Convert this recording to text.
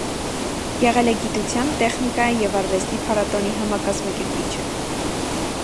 Եղել է գիտության, տեխնիկայի և արվեստի փառատոնի համակազմակերպիչը։